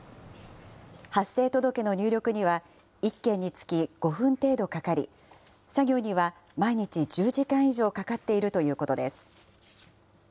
発生届の入力には１件につき５分程度かかり、作業には毎日１０時間以上かかっているということです。